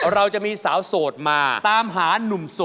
เราจะมีสาวโสดมาตามหานุ่มโสด